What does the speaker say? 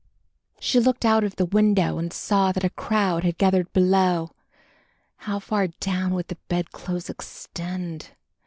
She looked out of the window and saw that a crowd had gathered below. How far down would the bedclothes extend?